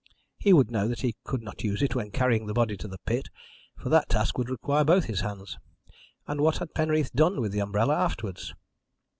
He would know that he could not use it when carrying the body to the pit, for that task would require both his hands. And what had Penreath done with the umbrella afterwards?